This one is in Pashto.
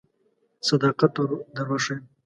صداقت در وښیم.